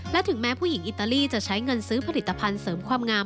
และถึงแม้ผู้หญิงอิตาลีจะใช้เงินซื้อผลิตภัณฑ์เสริมความงาม